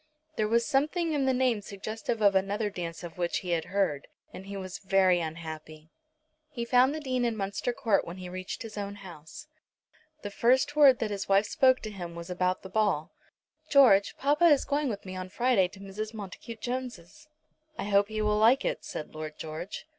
There was something in the name suggestive of another dance of which he had heard, and he was very unhappy. He found the Dean in Munster Court when he reached his own house. The first word that his wife spoke to him was about the ball. "George, papa is going with me on Friday to Mrs. Montacute Jones'." "I hope he will like it," said Lord George.